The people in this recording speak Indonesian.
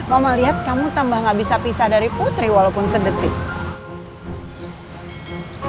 mama liat kamu bagaimana bisa pisah dari putri walaupun ini sebetutnya